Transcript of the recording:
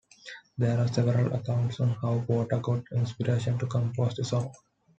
There are several accounts on how Porter got inspiration to compose the song.